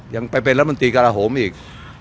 ยังไปเป็นรัฐมนตรีกระโหมอีก